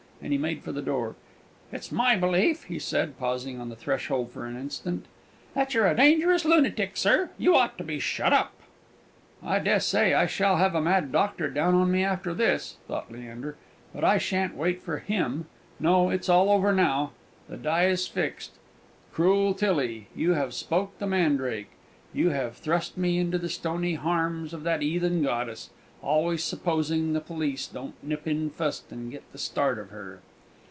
and he made for the door. "It's my belief," he said, pausing on the threshold for an instant, "that you're a dangerous lunatic, sir; you ought to be shut up!" "I dessay I shall have a mad doctor down on me after this," thought Leander; "but I shan't wait for him. No, it is all over now; the die is fixed! Cruel Tillie! you have spoke the mandrake; you have thrust me into the stony harms of that 'eathen goddess always supposing the police don't nip in fust, and get the start of her."